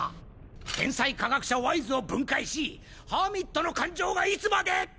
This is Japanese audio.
天才科学者ワイズを分解しハーミットの感情がいつまで。